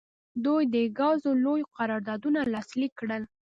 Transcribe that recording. دوی د ګازو لوی قراردادونه لاسلیک کړل.